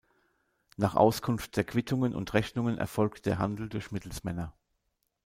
Nach Auskunft der Quittungen und Rechnungen erfolgte der Handel durch Mittelsmänner.